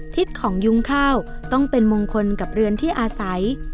ทิศของยุ้งข้าวต้องเป็นมงคลกับเรือนที่อาศัย